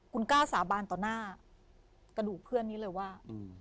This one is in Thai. คุณกล้าสาบานต่อหน้ากระดูกเพื่อนนี้เลยว่า